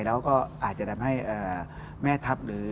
แล้วก็อาจจะทำให้แม่ทัพหรือ